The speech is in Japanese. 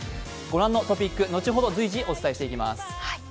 ご覧のトピック後ほど随時お伝えしていきます。